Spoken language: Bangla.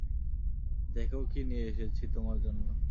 দেখো কি নিয়ে এসেছি তোমার জন্য।